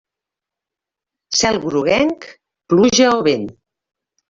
Cel groguenc, pluja o vent.